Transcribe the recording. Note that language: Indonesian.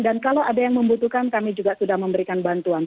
dan kalau ada yang membutuhkan kami juga sudah memberikan bantuan